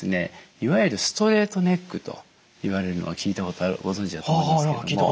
いわゆるストレートネックといわれるのは聞いたことあるご存じだと思いますけれども。